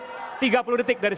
tiga puluh detik dari sekarang